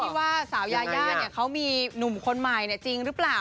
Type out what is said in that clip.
ว่าสาวยายาเขามีหนุ่มคนใหม่จริงหรือเปล่า